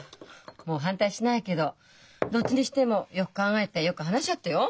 もう反対しないけどどっちにしてもよく考えてよく話し合ってよ。